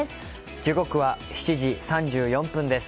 時刻は７時３４分です。